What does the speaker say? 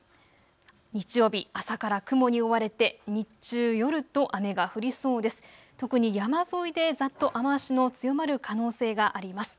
日曜日、朝から雲に覆われて日中、夜と雨が降りそうです。